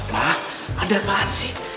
ma ada apaan sih